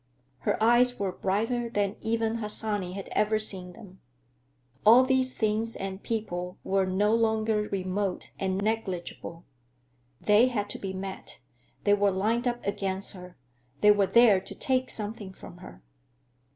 Her eyes were brighter than even Harsanyi had ever seen them. All these things and people were no longer remote and negligible; they had to be met, they were lined up against her, they were there to take something from her.